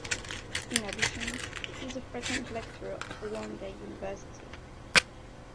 In addition, he is a frequent lecturer for One Day University.